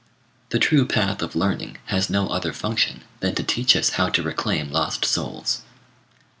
The true path of learning has no other function than to teach us how to reclaim lost souls."